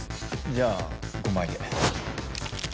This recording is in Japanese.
じゃあ５枚で。